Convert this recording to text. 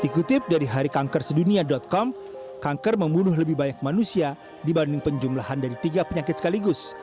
kutip dari harikankersedunia com kanker membunuh lebih banyak manusia dibanding penjumlahan dari tiga penyakit sekaligus